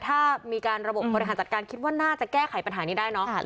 ถ้ามีการระบบบบริหารจัดการคิดว่าน่าจะแก้ไขปัญหานี้ได้เนาะ